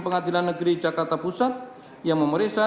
pengadilan negeri jakarta pusat yang memeriksa